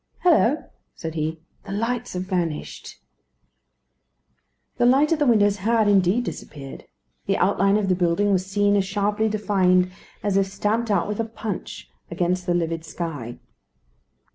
"Hillo!" said he, "the lights have vanished." The light at the windows had, indeed, disappeared. The outline of the building was seen as sharply defined as if stamped out with a punch against the livid sky.